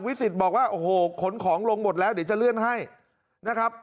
สิทธิ์บอกว่าโอ้โหขนของลงหมดแล้วเดี๋ยวจะเลื่อนให้นะครับ